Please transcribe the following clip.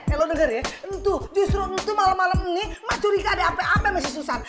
eh lo denger ya justru malem malem ini emak curiga ada apa apa sama si susan